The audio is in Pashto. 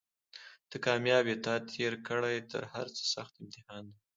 ته کامیاب یې تا تېر کړی تر هرڅه سخت امتحان دی